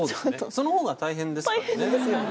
その方が大変ですからね。